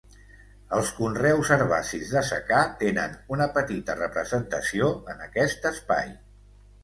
Els conreus herbacis de secà tenen una petita representació en aquest espai.